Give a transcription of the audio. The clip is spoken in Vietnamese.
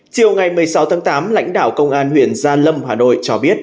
chiều ngày một mươi sáu tháng tám lãnh đạo công an huyện gia lâm hà nội cho biết